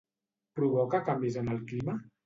Provoca canvis en el clima?